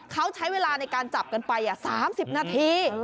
เขาใช้เวลาในการจับกันไป๓๐นาที